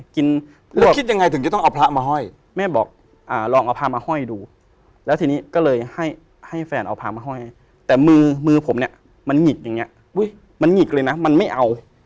คิดยังไงตั้งแต่